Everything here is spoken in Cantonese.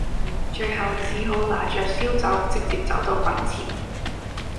最後只好拿著燒酒直接走到墓前